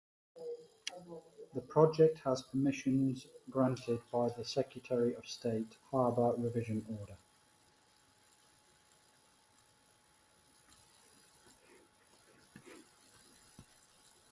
The project has permission granted by the Secretary of State- Harbour Revision Order.